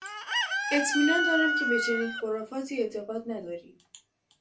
اطمینان دارم که به چنین خرافاتی اعتقاد نداری!